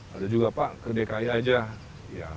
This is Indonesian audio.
ada juga pak ke dki aja